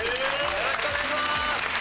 よろしくお願いします！